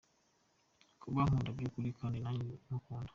Kuba ankunda by’ukuri kandi nanjye mukunda.